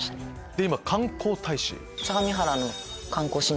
で今観光大使。